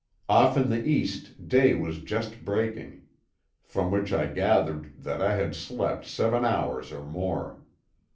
Off in the east day was just breaking; from which I gathered that I had slept seven hours or more.